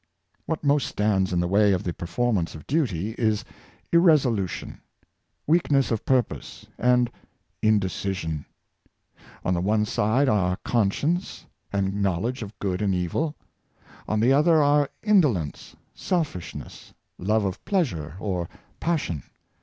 What most stands in the way of the pcrforma'jc^ of Sacredness of Duty. 495 duty, is irresolution, weakness of purpose, and indecis ion. On the one side are conscience and knowledge of good and evil; on the other are indolence, selfishness, love of pleasure, or passion.